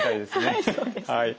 はいそうですね。